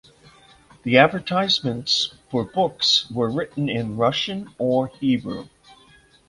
The advertisements for books were written in Russian or Hebrew.